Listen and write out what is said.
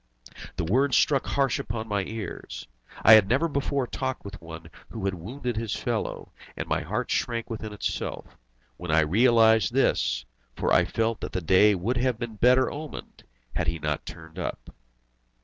The words struck harsh upon my ears. I had never before talked with one who had wounded his fellow, and my heart shrank within itself, when I realised this, for I felt that the day would have been better omened had he not turned up.